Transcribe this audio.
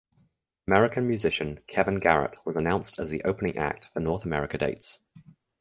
American musician Kevin Garrett was announced as the opening act for North America dates.